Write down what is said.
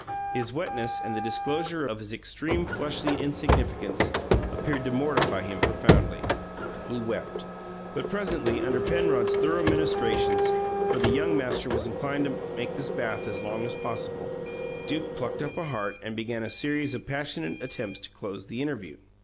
His wetness and the disclosure of his extreme fleshly insignificance appeared to mortify him profoundly. He wept. But, presently, under Penrod's thorough ministrations for the young master was inclined to make this bath last as long as possible Duke plucked up a heart and began a series of passionate attempts to close the interview.